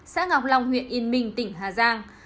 xã ngọc long huyện yên minh tỉnh hà giang